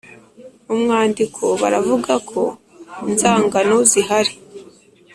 Mu mwandiko baravuga ko inzangano zihari